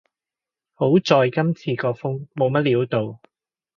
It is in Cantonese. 好在今次個風冇乜料到